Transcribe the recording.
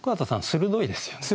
鋭いですよね。